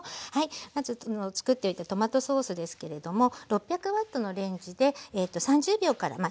まずつくっておいたトマトソースですけれども６００Ｗのレンジで３０秒から１分ぐらい。